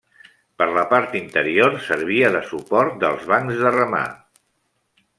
Per la part interior servia de suport dels bancs de remar.